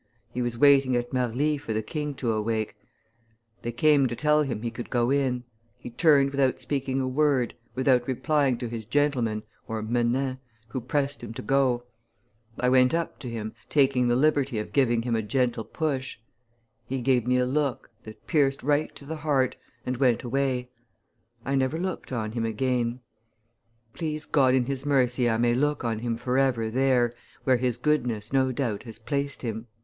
He was waiting at Marly for the king to awake; they came to tell him he could go in; he turned without speaking a word, without replying to his gentlemen (menins) who pressed him to go; I went up to him, taking the liberty of giving him a gentle push; he gave me a look, that pierced right to the heart, and went away. I never looked on him again. Please God in His mercy I may look on him forever there where his goodness, no doubt, has placed him!"